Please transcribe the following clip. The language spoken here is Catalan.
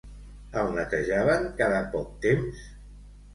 El netejaven cada poc temps?